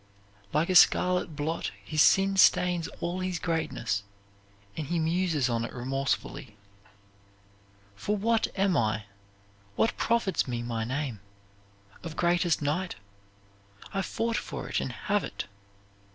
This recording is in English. Like a scarlet blot his sin stains all his greatness, and he muses on it remorsefully: "For what am I? What profits me my name Of greatest knight? I fought for it and have it.